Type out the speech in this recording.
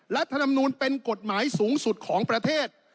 รัฐธรรมนูลเป็นกฎหมายสูงสุดของประเทศ